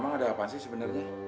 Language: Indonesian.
emang ada apa sih sebenernya